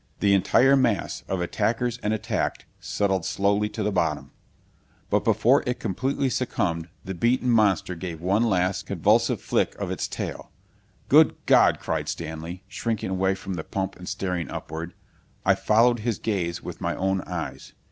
The entire mass of attackers and attacked settled slowly to the bottom. But before it completely succumbed the beaten monster gave one last, convulsive flick of its tail.... "Good God!" cried Stanley, shrinking away from the pump and staring upward. I followed his gaze with my own eyes.